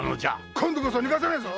今度こそ逃がさねえぞ！